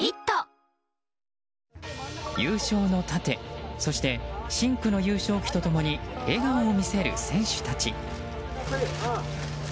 優勝の盾そして深紅の優勝旗と共に笑顔を見せる、選手たち。